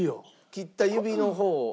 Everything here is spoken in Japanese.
切った指の方の。